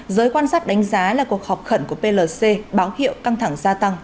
giới quan sát đánh giá là cuộc họp khẩn của plc báo hiệu căng thẳng gia tăng